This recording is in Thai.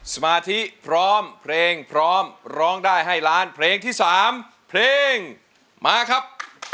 สมาธิพร้อมเพลงพร้อมร้องได้ให้ล้านเพลงที่๓เพลงมาครับ